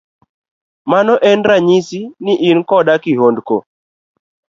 Mano en ranyisi ni in koda kihondko.